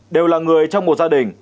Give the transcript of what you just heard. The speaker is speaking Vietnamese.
đều là người trong một gia đình